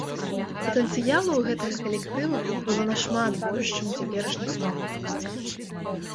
Патэнцыялу ў гэтага калектыву было нашмат больш чым у цяперашніх панк-рок зорак.